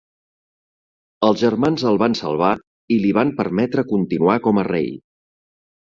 Els germans el van salvar i li van permetre continuar com a rei.